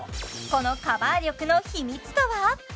このカバー力の秘密とは？